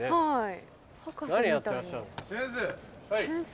先生。